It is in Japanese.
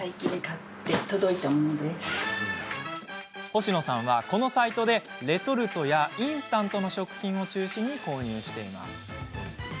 星野さんはこのサイトでレトルトやインスタントの食品を中心に購入しています。